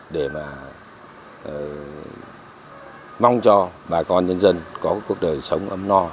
để mà mong cho bà con nhân dân có cuộc đời sống ấm no